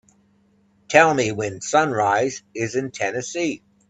Tell me when sunrise is in Tennessee